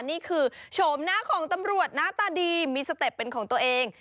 โฉมหน้าของตำรวจหน้าตาดีมีสเต็ปเป็นของตัวเอง